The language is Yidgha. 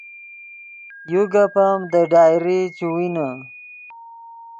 یو گپ ام دے ڈائری چے وینے